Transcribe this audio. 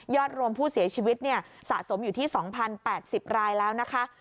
รวมผู้เสียชีวิตสะสมอยู่ที่๒๐๘๐รายแล้วนะคะ